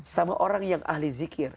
sama orang yang ahli zikir